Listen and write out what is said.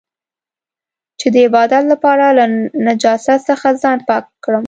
چې د عبادت لپاره له نجاست څخه ځان پاک کړم.